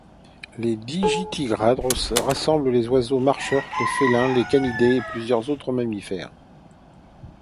Les digitigrades rassemblent les oiseaux marcheurs, les félins, les canidés et plusieurs autres mammifères.